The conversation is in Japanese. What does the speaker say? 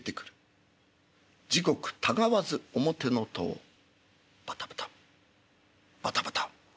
時刻たがわず表の戸をバタバタバタバタ。